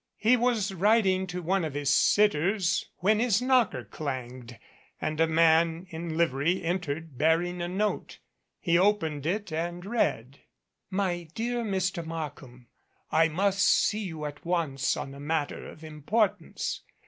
He was writing to one of his sitters when his knocker clanged and a man in livery entered bearing a note. He opened it and read : MY DEAR MR. MARKHAM: I must see you at once on a matter of importance.